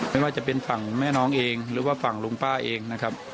ไม่ว่าจะเป็นฝั่งแม่น้องเองหรือว่าฝั่งลุงป้าเองนะครับ